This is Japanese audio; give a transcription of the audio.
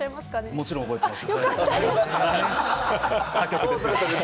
もちろん覚えてます。